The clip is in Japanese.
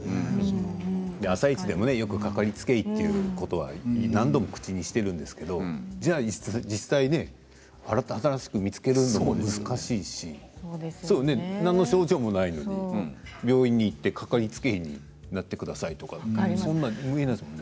「あさイチ」でもよくかかりつけ医ということば何度も口にしていますが実際に新しく見つけるのも難しいし何の症状もないのに病院に行って、かかりつけ医になってくださいとかってそんな無理ですよね。